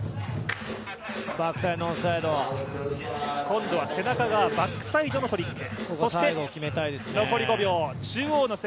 今度は背中側、バックサイドのトリック。